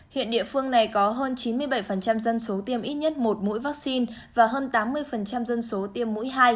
hiện địa phương này có hơn chín mươi bảy dân số tiêm ít nhất một mũi vaccine và hơn tám mươi dân số tiêm mũi hai